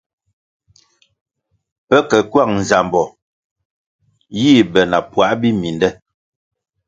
Pe ke kywang nzambo yih be na puãh biminde.